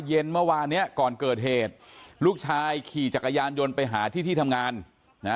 เย็นเมื่อวานเนี้ยก่อนเกิดเหตุลูกชายขี่จักรยานยนต์ไปหาที่ที่ทำงานนะ